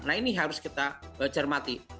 nah ini harus kita cermati